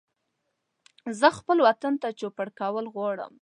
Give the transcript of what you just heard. زه خپل وطن ته چوپړ کول غواړم